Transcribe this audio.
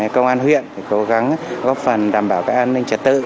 công an huyện cố gắng góp phần đảm bảo các an ninh trật tự